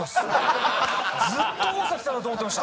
ずっと大崎さんだと思ってました。